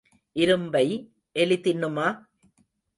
இரும்பை எலி தின்னுமா?